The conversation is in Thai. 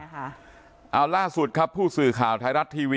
เอาล่าสุดครับผู้สื่อข่าวไทยรัฐทีวี